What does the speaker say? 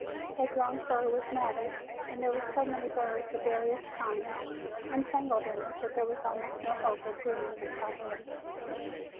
His long fur was matted, and there were so many burrs of various kinds entangled in it that there was almost no hope of grooming him properly.